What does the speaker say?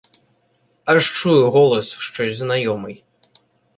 Аж чую, голос щось знайомий.